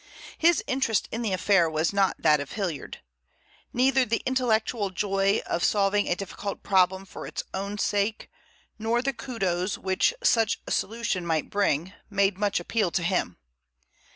His interest in the affair was not that of Hilliard. Neither the intellectual joy of solving a difficult problem for its own sake, nor the kudos which such a solution might bring, made much appeal to him.